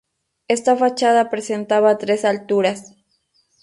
Esta fachada presentaba tres alturas.